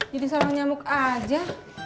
jadi seorang nyamuk aja